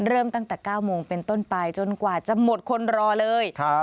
เริ่มตั้งแต่๙โมงเป็นต้นไปจนกว่าจะหมดคนรอเลย